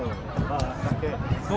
hahaha tas dulu